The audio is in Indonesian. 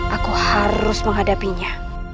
aku harus menghadapinya